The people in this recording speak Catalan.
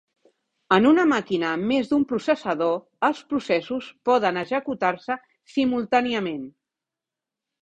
En una màquina amb més d'un processador, els processos poden executar-se simultàniament.